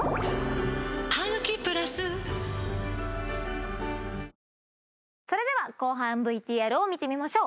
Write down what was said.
「ハグキプラス」後半ＶＴＲを見てみましょう。